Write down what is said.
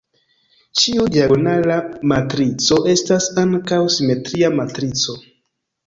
Ĉiu diagonala matrico estas ankaŭ simetria matrico.